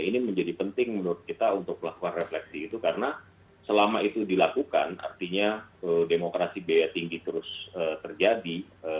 ini menjadi penting menurut kita untuk melakukan refleksi itu karena selama itu dilakukan artinya demokrasi biaya tinggi terus terjadi